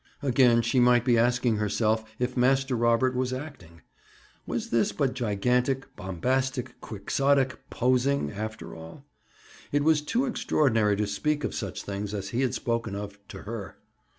Again she might be asking herself if Master Robert was acting? Was this but gigantic, bombastic, Quixotic "posing" after all? It was too extraordinary to speak of such things as he had spoken of, to her!